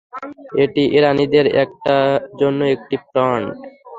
এটি ইরানীদের জন্য একটি ফ্রন্ট।